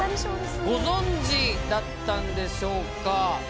ご存じだったんでしょうか？